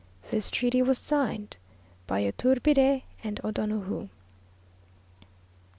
This treaty was signed by Yturbide and O'Donoju.